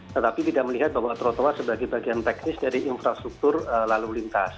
tetapi tidak melihat bahwa trotoar sebagai bagian teknis dari infrastruktur lalu lintas